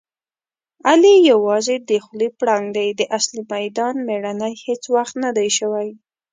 علي یووازې د خولې پړانګ دی. د اصلي میدان مېړنی هېڅ وخت ندی شوی.